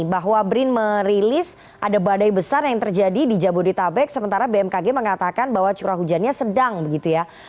bahwa brin merilis ada badai besar yang terjadi di jabodetabek sementara bmkg mengatakan bahwa curah hujannya sedang begitu ya